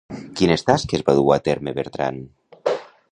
Quines tasques va dur-hi a terme Bertran?